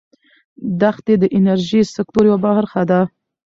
دښتې د انرژۍ سکتور یوه برخه ده.